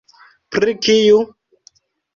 Pri kiu?